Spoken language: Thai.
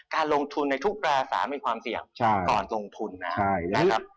การลงทุนในทุกราศีมีความเสี่ยงก่อนลงทุนนะครับ